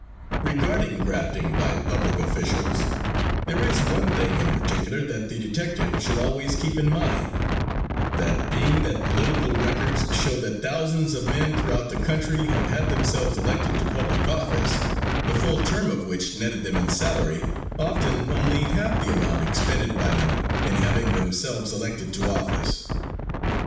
Regarding grafting by public officials, there is one thing in particular that the detective should always keep in mind, that being that political records show that thousands of men throughout the country have had themselves elected to public office, the full term of which netted them in salary often only half the amount expended by them in having themselves elected to office.